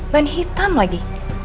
bahan hitam lagi